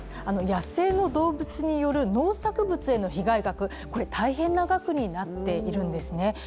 野生の動物による農作物への被害額、これ、大変な額になっているんですね。